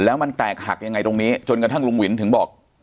แล้วมันแตกหักยังไงตรงนี้จนกระทั่งลุงวินถึงบอก